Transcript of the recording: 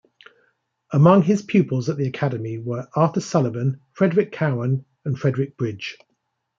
Among his pupils at the academy were Arthur Sullivan, Frederic Cowen and Frederick Bridge.